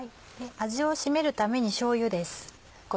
味を締めるためにしょうゆです。